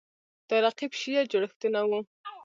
دا رقیب شیعه جوړښتونه وو